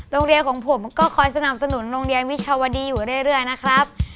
โรงเรียนของผมก็คอยสนับสนุนโรงเรียนวิชาวดีอยู่เรื่อยนะครับ